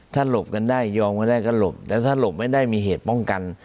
ถ้าหลบกันได้ยอมกันได้ก็หลบแต่ถ้าหลบไม่ได้มีเหตุป้องกัน